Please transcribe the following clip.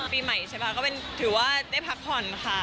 ปีใหม่ใช่ป่ะก็ถือว่าได้พักผ่อนค่ะ